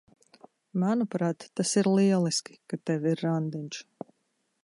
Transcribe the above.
Manuprāt, tas ir lieliski, ka tev ir randiņš.